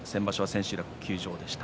千秋楽は休場でした。